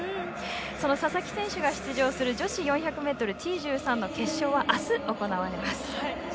佐々木選手が出場する女子４００ｍＴ１３の決勝はあす、行われます。